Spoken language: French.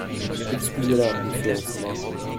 Excusez-la, monsieur Alexandrin…